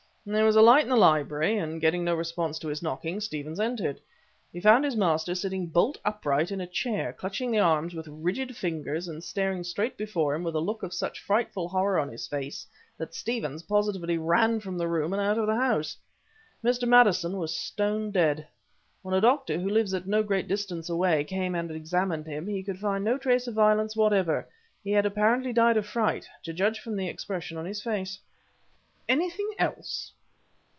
There was a light in the library, and getting no response to his knocking, Stevens entered. He found his master sitting bolt upright in a chair, clutching the arms with rigid fingers and staring straight before him with a look of such frightful horror on his face, that Stevens positively ran from the room and out of the house. Mr. Maddison was stone dead. When a doctor, who lives at no great distance away, came and examined him, he could find no trace of violence whatever; he had apparently died of fright, to judge from the expression on his face." "Anything else?"